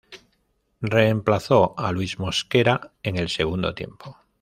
Reemplazó a Luis Mosquera en el segundo tiempo.